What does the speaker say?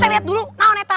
kita lihat dulu nah onetak